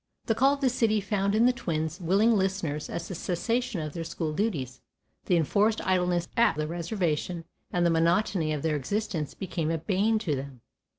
The "Call of the City" found in the twins willing listeners as the cessation of their school duties, the enforced idleness at the reservation, and the monotony of their existence became a bane to them.